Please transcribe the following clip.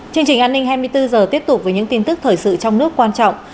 chương trình an ninh hai mươi bốn h tiếp tục với những tin tức thời sự trong nước quan trọng